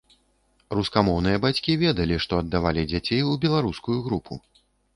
Рускамоўныя бацькі ведалі, што аддавалі дзяцей у беларускую групу.